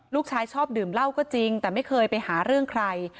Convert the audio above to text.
ชอบดื่มเหล้าก็จริงแต่ไม่เคยไปหาเรื่องใคร